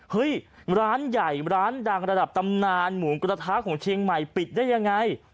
ร้านใหญ่ร้านดังระดับตำนานหมูกระทะของเชียงใหม่ปิดได้ยังไง